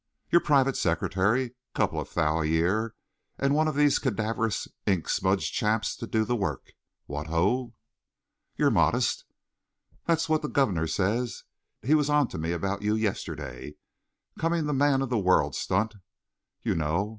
"Your private secretary, couple of thou a year, and one of these cadaverous, ink smudged chaps to do the work. What ho!" "You're modest!" "That's what the governor says. He was on to me about you yesterday. Coming the man of the world stunt, you know.